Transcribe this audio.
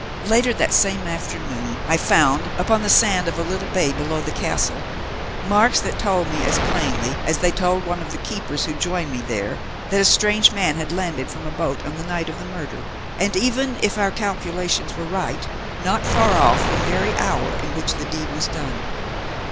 Later that same afternoon I found, upon the sand of a little bay below the castle, marks that told me as plainly as they told one of the keepers who joined me there that a strange man had landed from a boat on the night of the murder, and even, if our calculations were right, not far off the very hour in which the deed was done.